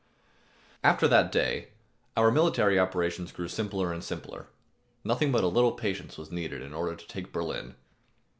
After that day, our military operations grew simpler and simpler. Nothing but a little patience was needed in order to take Berlin.